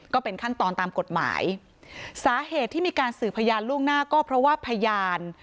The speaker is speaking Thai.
ก็เป็นขั้นตอนตามกฎหมายสาเหตุที่มีการสื่อพยานล่วงหน้าก็เพราะว่าพยาน